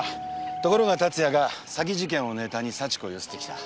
ところが龍哉が詐欺事件をネタに幸子をゆすってきた。